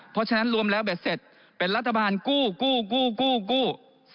เพราะฉะนั้นรวมแล้วเบ็ดเสร็จเป็นรัฐบาลกู้กู้กู้กู้